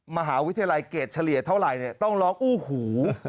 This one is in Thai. มหาวิทยาลัยเกรดเฉลี่ยเท่าไหร่ต้องร้องอู้หู